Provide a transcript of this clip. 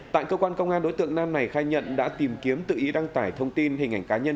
tại cơ quan công an đối tượng nam này khai nhận đã tìm kiếm tự ý đăng tải thông tin hình ảnh cá nhân